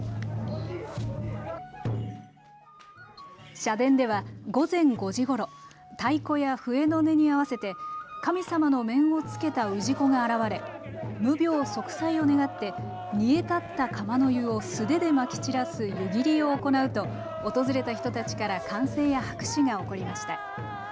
社殿では午前５時ごろ太鼓や笛の音に合わせて神様の面をつけた氏子が現れ無病息災を願って煮え立った釜の湯を素手でまき散らす湯切りを行うと訪れた人たちから歓声や拍手が起こりました。